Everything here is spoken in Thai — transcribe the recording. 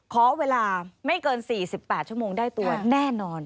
ขอเวลาไม่เกิน๔๘ชั่วโมงได้ตัวแน่นอน